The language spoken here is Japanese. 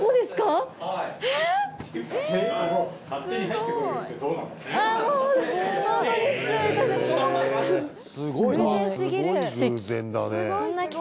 すごいな。